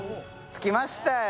着きましたよ。